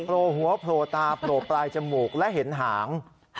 โปรหัวโปรตาโปรปลายจมูกและเห็นหาง